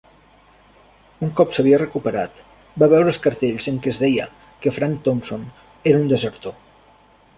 Un cop s'havia recuperat, va veure els cartells en què es deia que Frank Thompson era un desertor.